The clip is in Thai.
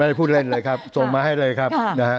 ได้พูดเล่นเลยครับส่งมาให้เลยครับนะฮะ